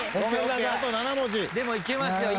でもいけますよ。